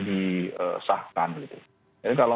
disahkan jadi kalau